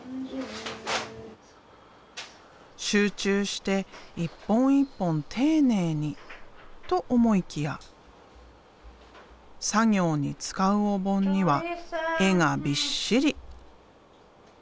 集中して一本一本丁寧にと思いきや作業に使うお盆には絵がびっしり。